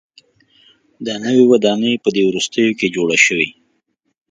دا نوې ودانۍ په دې وروستیو کې جوړه شوې.